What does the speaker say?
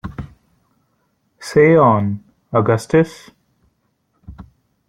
Say on, Augustus.